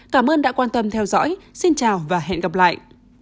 cảm ơn đã quan tâm theo dõi xin chào và hẹn gặp lại